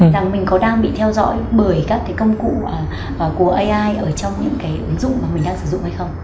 rằng mình có đang bị theo dõi bởi các cái công cụ của ai ở trong những cái ứng dụng mà mình đang sử dụng hay không